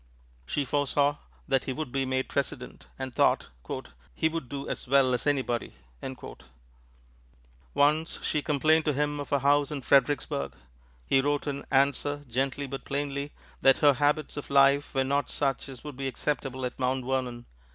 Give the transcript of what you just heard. She foresaw that he would be made President, and thought "he would do as well as anybody." Once, she complained to him of her house in Fredericksburg; he wrote in answer, gently but plainly, that her habits of life were not such as would be acceptable at Mount Vernon.